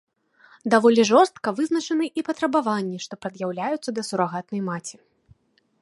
Даволі жорстка вызначаны і патрабаванні, што прад'яўляюцца да сурагатнай маці.